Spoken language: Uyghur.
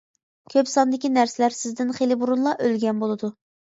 كۆپ ساندىكى نەرسىلەر سىزدىن خېلى بۇرۇنلا ئۆلگەن بولىدۇ.